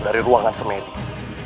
dari ruangan smelekind